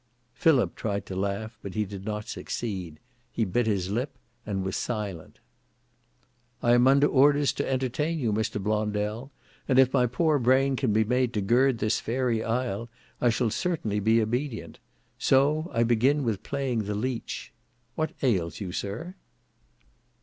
'Philip tried to laugh, but he did not succeed; he bit his lip and was silent. '"I am under orders to entertain you, Mr. Blondel, and if my poor brain can be made to gird this fairy isle, I shall certainly be obedient. So I begin with playing the leech. What ails you, sir?"